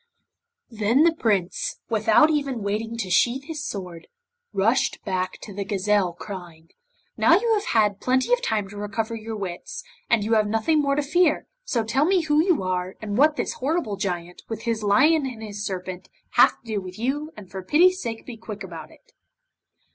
Then the Prince, without even waiting to sheathe his sword, rushed back to the gazelle, crying: 'Now you have had plenty of time to recover your wits, and you have nothing more to fear, so tell me who you are, and what this horrible Giant, with his lion and his serpent, have to do with you and for pity's sake be quick about it.